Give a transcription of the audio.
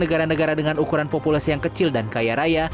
negara negara dengan ukuran populasi yang kecil dan kaya raya